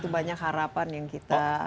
banyak harapan yang kita